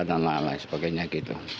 dan lain lain sebagainya gitu